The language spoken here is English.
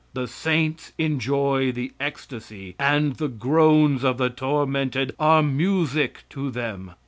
The saints enjoy the ecstasy and the groans of the tormented are music to them.